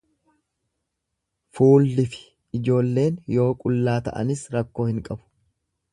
Fuullifi ijoolleen yoo qullaa ta'anis rakkoo hin qabu.